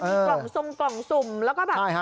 เออมีกล่องสุ่มกล่องสุ่มแล้วก็แบบใช่ฮะ